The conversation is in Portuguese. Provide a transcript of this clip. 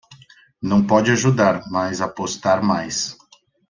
Não pode ajudar, mas apostar mais